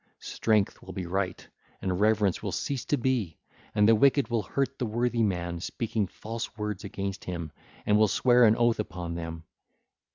Strength will be right and reverence will cease to be; and the wicked will hurt the worthy man, speaking false words against him, and will swear an oath upon them.